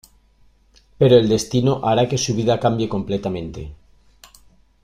Pero el destino hará que su vida cambie completamente.